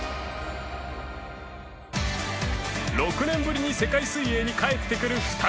６年ぶりに世界水泳に帰ってくる２人